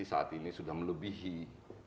saat ini sudah melebihi pendapatan yang kita dapat